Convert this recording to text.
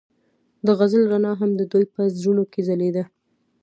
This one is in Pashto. د غزل رڼا هم د دوی په زړونو کې ځلېده.